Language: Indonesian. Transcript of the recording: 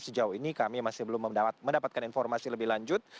sejauh ini kami masih belum mendapatkan informasi lebih lanjut